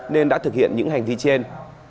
nên đã thực hiện những hành vi trên